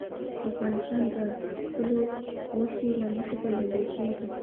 افغانستان د خپلو غوښې له مخې پېژندل کېږي.